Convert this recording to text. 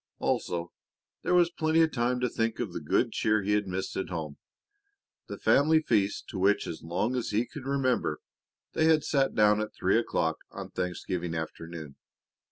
Also, there was plenty of time to think of the good cheer he had missed at home that family feast to which, as long as he could remember, they had sat down at three o'clock on Thanksgiving afternoon.